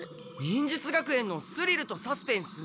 忍術学園のスリルとサスペンス？